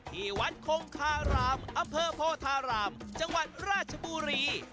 ที่วัดคงคารามอำเภอโพธารามจังหวัดราชบุรี